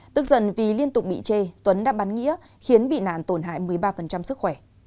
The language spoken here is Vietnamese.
tức dần vì liên tục bị chê tuấn đã bắn nghĩa khiến bị nạn tổn hại một mươi ba sức khỏe